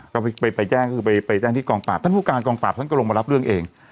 ก็ไปแจ้งก็คือไปแจ้งที่กองปราบท่านผู้การกองปราบท่านก็ลงมารับเรื่องเอง